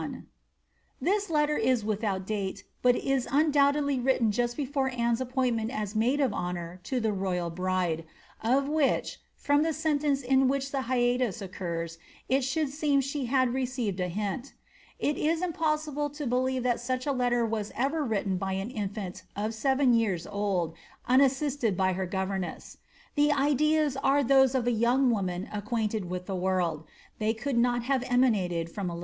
"* This letter is without date, hut is undoubtedly written just before Annexe appointment as maid of honour to the royal bride, of whiehf from the sentence in which the hiatus occurs, it should seem she had received a hint It is impossible to believe that such a letter was ever written by an infant of seven years old unassisted by her govemesi l*he ideas are those of a young woman acquainted with the world : they could not have emanated from a little child.